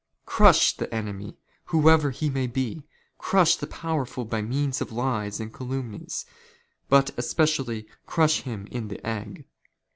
" Crush the enemy whoever he may be ; crush the powerful " by means of lies and calumnies ; but especially crush him in the " egg.